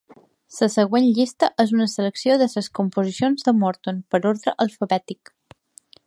La següent llista és una selecció de les composicions de Morton, per ordre alfabètic.